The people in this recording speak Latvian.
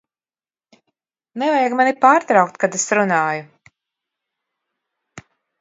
Nevajag mani pārtraukt, kad es runāju!